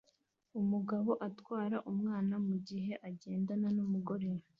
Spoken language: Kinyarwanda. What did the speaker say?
Umugabo atwara umwana mugihe agendana numugore